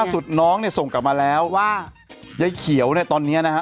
สุดน้องเนี่ยส่งกลับมาแล้วว่ายายเขียวเนี่ยตอนนี้นะฮะ